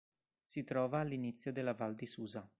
Si trova all'inizio della Val di Susa.